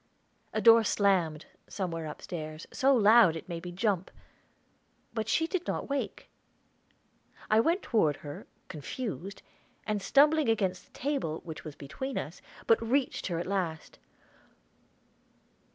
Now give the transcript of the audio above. A door slammed, somewhere upstairs, so loud it made me jump; but she did not wake. I went toward her, confused, and stumbling against the table, which was between us, but reached her at last.